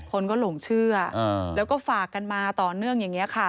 คนก็หลงเชื่อแล้วก็ฝากกันมาต่อเนื่องอย่างนี้ค่ะ